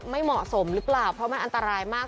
ไม่เหมาะสมหรือเปล่าเพราะมันอันตรายมาก